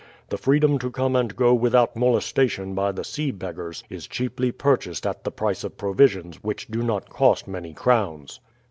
The freedom to come and go without molestation by the sea beggars is cheaply purchased at the price of provisions which do not cost many crowns."